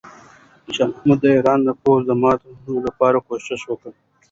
شاه محمود د ایران د پوځ د ماتې لپاره کوښښ وکړ.